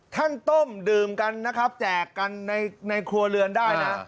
ท่านต้มดื่มกันนะครับแจกกันในครัวเรือนได้นะ